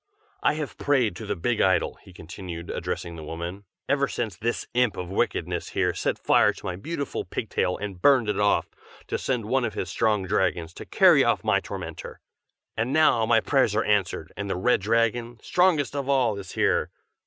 "I have prayed to the Big Idol," he continued, addressing the woman, "ever since this imp of wickedness here set fire to my beautiful pig tail and burned it off, to send one of his strong dragons to carry off my tormentor. And now my prayers are answered, and the Red Dragon, strongest of all, is here!